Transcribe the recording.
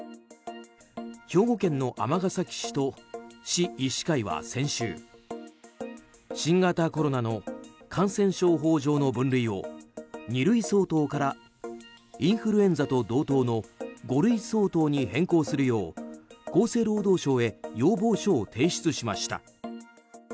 兵庫県の尼崎市と市医師会は先週新型コロナの感染症法上の分類を二類相当からインフルエンザと同等の五類相当に変更するよう厚生労働省へ要望書を提出しました。